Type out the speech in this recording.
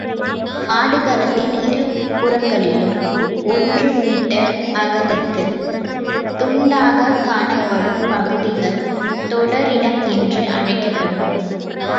ஆடுகளத்தின் இருபுறங்களிலும் ஒன்று மீட்டர் அகலத்தில் துண்டாகக் காணப்படும் பகுதிகள் தொடரிடம் என்று அழைக்கப்படும்.